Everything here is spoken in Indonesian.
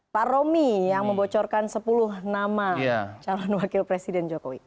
pak romi yang membocorkan sepuluh nama calon wakil presiden jokowi